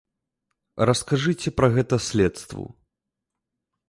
Раскажыце пра гэта следству.